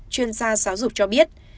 chuyên gia giáo dục cho biết